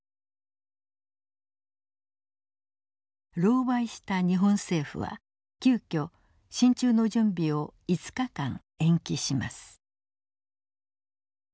狼狽した日本政府は急きょ進駐の準備を５日間延期します。